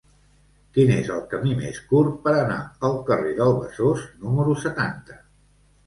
Quin és el camí més curt per anar al carrer del Besòs número setanta?